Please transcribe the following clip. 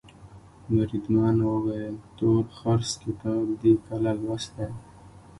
بریدمن وویل تورخرس کتاب دي کله لوستی.